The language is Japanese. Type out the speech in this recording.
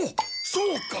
そうか！